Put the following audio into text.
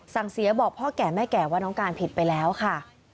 เสียบอกพ่อแก่แม่แก่ว่าน้องการผิดไปแล้วค่ะ